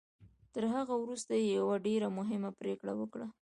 تر هغه وروسته يې يوه ډېره مهمه پريکړه وکړه.